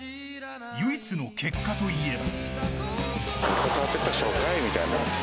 唯一の結果といえば。